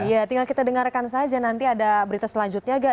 iya tinggal kita dengarkan saja nanti ada berita selanjutnya gak